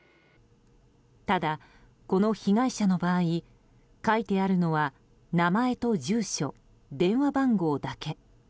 ただ、この被害者の場合書いてあるのは名前と住所、電話番号だけ。